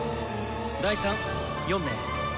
第３４名。